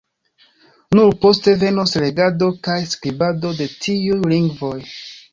Nur poste venos legado kaj skribado de tiuj lingvoj.